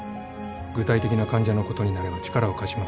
具体的な患者のことになれば力を貸します。